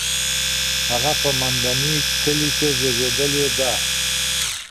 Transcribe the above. هغه په مندني کلي کې زېږېدلې ده.